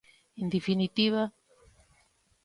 En definitiva...